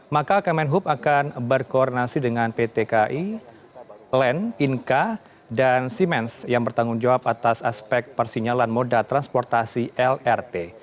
maka kemenhub akan berkoordinasi dengan pt kai len inka dan simens yang bertanggung jawab atas aspek persinyalan moda transportasi lrt